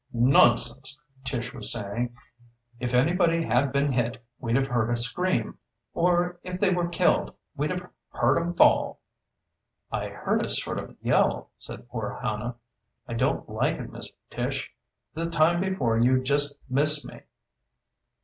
"Nonsense!" Tish was saying. "If anybody had been hit we'd have heard a scream; or if they were killed we'd have heard 'em fall." "I heard a sort of yell," said poor Hannah. "I don't like it, Miss Tish. The time before you just missed me."